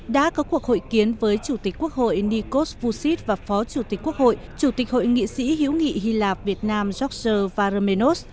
đã có cuộc hội kiến với chủ tịch quốc hội nikos fosit và phó chủ tịch quốc hội chủ tịch hội nghị sĩ hữu nghị hy lạp việt nam george varmenos